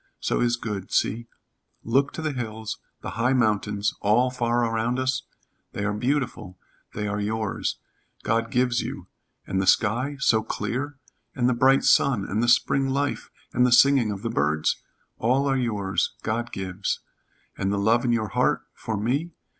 So is good. See. Look to the hills, the high mountains, all far around us? They are beautiful. They are yours. God gives you. And the sky so clear and the bright sun and the spring life and the singing of the birds? All are yours God gives. And the love in your heart for me?